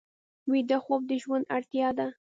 ویده خوب د ژوند اړتیا ده